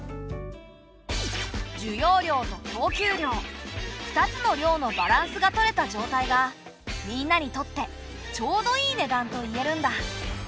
需要量と供給量２つの量のバランスが取れた状態がみんなにとって「ちょうどいい値段」と言えるんだ。